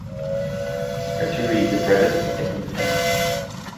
Artillery as a brevet second lieutenant.